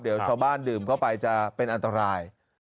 เดี๋ยวชาวบ้านดื่มเข้าไปจะเป็นอันตราย